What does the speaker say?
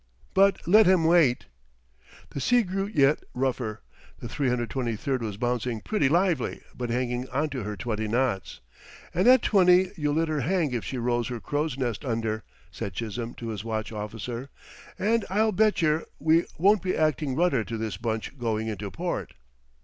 "But let him wait!" The sea grew yet rougher. The 323 was bouncing pretty lively, but hanging onto her twenty knots. "And at twenty you let her hang if she rolls her crow's nest under!" said Chisholm to his watch officer, "and I'll betcher we won't be acting rudder to this bunch going into port!"